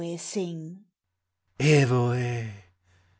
sing!" Evoe!